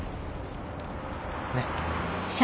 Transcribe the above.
ねっ。